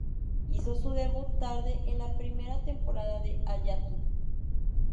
Hizo su debut tarde en la primera temporada de "¡Allá tú!